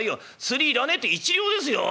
釣り要らねえって一両ですよ？